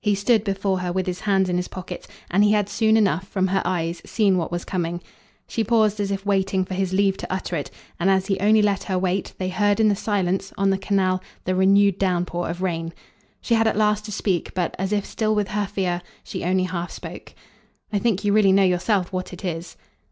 He stood before her with his hands in his pockets, and he had soon enough, from her eyes, seen what was coming. She paused as if waiting for his leave to utter it, and as he only let her wait they heard in the silence, on the Canal, the renewed downpour of rain. She had at last to speak, but, as if still with her fear, she only half spoke. "I think you really know yourself what it is."